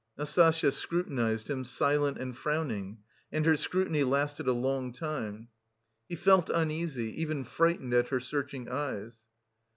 Nastasya scrutinised him, silent and frowning, and her scrutiny lasted a long time. He felt uneasy, even frightened at her searching eyes.